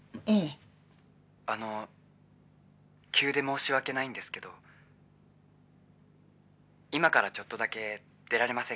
急で申し訳ないんですけど今からちょっとだけ出られませんか？